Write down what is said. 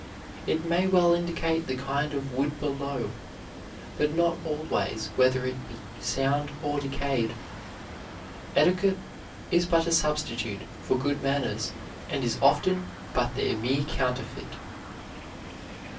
It may well indicate the kind of wood below, but not always whether it be sound or decayed. Etiquette is but a substitute for good manners and is often but their mere counterfeit.